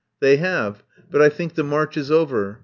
"They have, but I think the march is over.